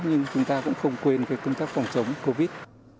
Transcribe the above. nhưng chúng ta cũng không quên về công tác phòng chống covid